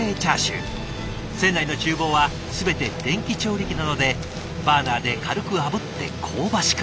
船内のちゅう房は全て電気調理器なのでバーナーで軽くあぶって香ばしく。